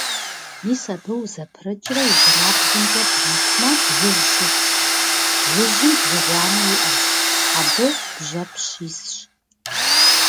Мис абы узэпрыкӀрэ ижьырабгъумкӀэ бгъэшмэ, бгыжь щытщ, бгыжьым бгы гъуанэ иӀэщ, абы бжьэпщ исщ.